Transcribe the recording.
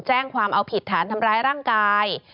แจ้งความเอาผิดฐานทำร้ายร่างกาย